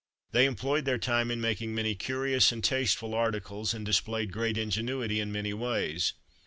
They employed their time in making many curious and tasteful articles, and displayed great ingenuity in many ways.